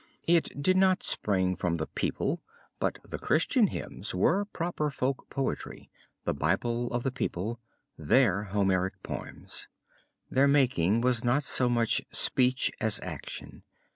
It did not spring from the people, but the Christian hymns were proper folk poetry, the Bible of the people their Homeric poems. Their making was not so much speech as action.